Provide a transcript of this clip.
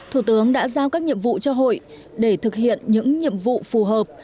thủ tướng đã giao các nhiệm vụ cho hội để thực hiện những nhiệm vụ phù hợp